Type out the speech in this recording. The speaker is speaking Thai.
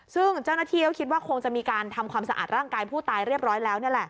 ซึ่งเจ้าหน้าที่ก็คิดว่าคงจะมีการทำความสะอาดร่างกายผู้ตายเรียบร้อยแล้ว